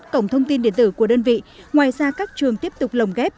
cổng thông tin điện tử của đơn vị ngoài ra các trường tiếp tục lồng ghép